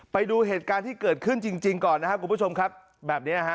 ไปดูเหตุการณ์ที่เกิดขึ้นจริงก่อนนะครับคุณผู้ชมครับ